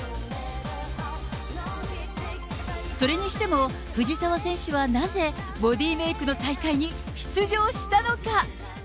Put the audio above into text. それにしても、藤澤選手はなぜ、ボディメイクの大会に出場したのか。